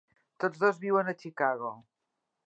Tots dos viuen a Chicago.